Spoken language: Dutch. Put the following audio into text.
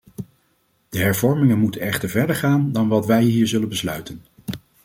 De hervormingen moeten echter verder gaan dan wat wij hier zullen besluiten.